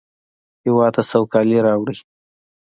هېواد ته سوکالي راوړئ